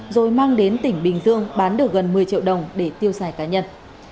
rồi mang đến tỉnh bình dương bán được gần một mươi triệu đồng để tiêu xài cá nhân